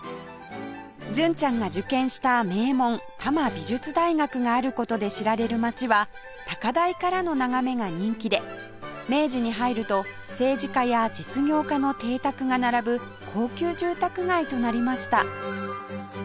純ちゃんが受験した名門多摩美術大学がある事で知られる街は高台からの眺めが人気で明治に入ると政治家や実業家の邸宅が並ぶ高級住宅街となりました